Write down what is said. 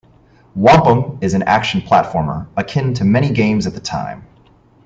"Whomp 'Em" is an action platformer, akin to many games at the time.